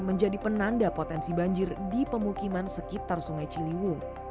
menjadi penanda potensi banjir di pemukiman sekitar sungai ciliwung